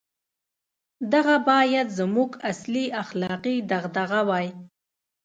• دغه باید زموږ اصلي اخلاقي دغدغه وای.